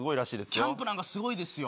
キャンプなんかすごいですよ。